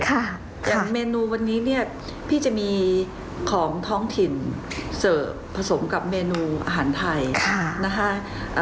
อย่างเมนูวันนี้เนี่ยพี่จะมีของท้องถิ่นเสิร์ฟผสมกับเมนูอาหารไทยนะคะ